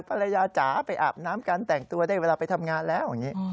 ภรรยาจ๋าไปอาบน้ำกันแต่งตัวได้เวลาไปทำงานแล้ว